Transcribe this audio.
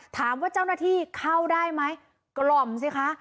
ถามว่าเจ้าหน้าที่เข้าได้ไหมกล่อมสิคะ